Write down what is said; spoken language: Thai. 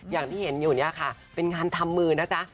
อย่างที่เห็นอยู่เนี่ยค่ะเป็นงานทำมือนะจ๊ะ